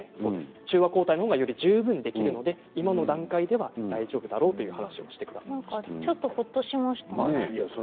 中和抗体のほうがより十分できるので今の段階では大丈夫だろうとちょっとほっとしました。